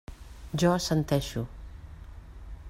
Jo assenteixo.